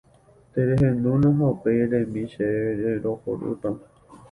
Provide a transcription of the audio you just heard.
Terehendúna ha upéi eremi chéve rerohorýpa.